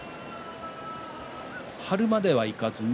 張るまではいかずに。